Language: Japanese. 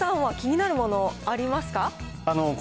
宮近さんは気になるものありますか？